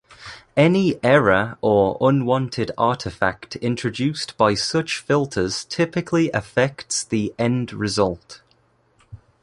Any error or unwanted artifact introduced by such filters typically affects the end-result.